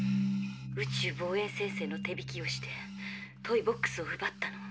宇宙の防衛戦線の手引きをしてトイボックスをうばったの。